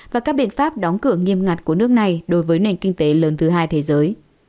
và các biện pháp đóng cửa nghiêm ngặt của nước này đối với nền kinh tế lớn thứ hai thế giới